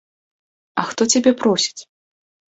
А хто цябе просіць?